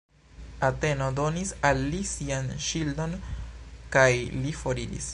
Ateno donis al li sian ŝildon, kaj li foriris.